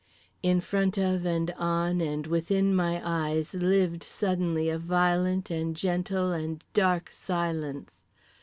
In front of and on and within my eyes lived suddenly a violent and gentle and dark silence.